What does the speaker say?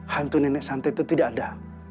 hantu nenek santai itu tidak ada